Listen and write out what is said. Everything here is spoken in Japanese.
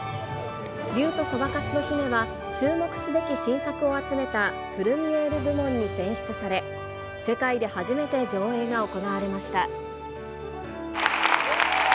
竜とそばかすの姫は、注目すべき新作を集めたプルミエール部門に選出され、世界で初めて上映が行われました。